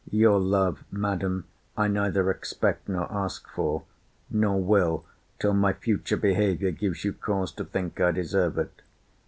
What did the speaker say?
Your love, Madam, I neither expect, nor ask for; nor will, till my future behaviour gives you cause to think I deserve it.